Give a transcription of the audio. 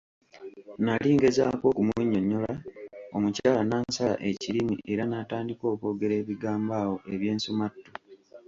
Nali ngezaako okumunnyonnyola, omukyala n'ansala ekirimi era n'atandika okwogera ebigambo awo eby'ensumattu.